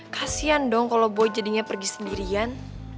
kasian dong kalau boy jadinya pergi sendirian